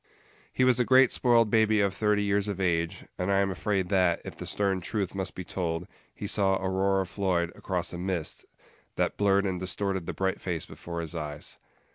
He was a great spoiled baby of thirty years of age; and I am afraid that, if the stern truth must be told, he saw Aurora Floyd across a mist, that blurred and distorted the bright face before his eyes.